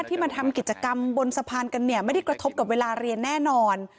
ไปทำการบ้านไปดูตำราเรียน